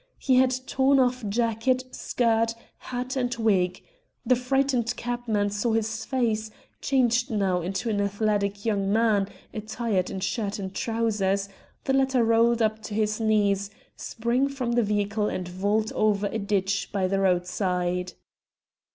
He had torn off jacket, skirt, hat and wig. The frightened cabman saw his fare changed now into an athletic young man, attired in shirt and trousers, the latter rolled up to his knees spring from the vehicle and vault over a ditch by the roadside.